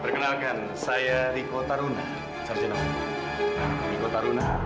perkenalkan saya riko taruna